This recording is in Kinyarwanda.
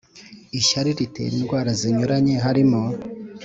ishyari ritera indwara zinyuranye harimo